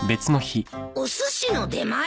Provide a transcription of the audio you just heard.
おすしの出前？